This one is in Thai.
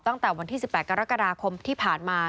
ตั้งแต่วันที่๑๘กรกฎาคมที่ผ่านมา